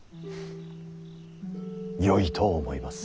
よいと思います。